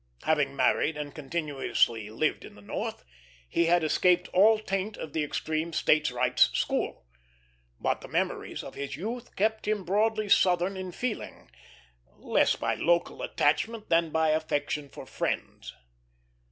Having married and continuously lived in the North, he had escaped all taint of the extreme States' Rights school; but the memories of his youth kept him broadly Southern in feeling, less by local attachment than by affection for friends.